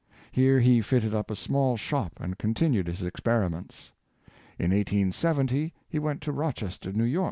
Here he fitted up a small shop and continued his experiments. In 1870 he went to Rochester, N. Y.